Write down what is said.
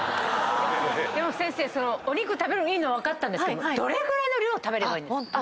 先生お肉食べるのいいのは分かったんですけどどれぐらいの量食べればいい？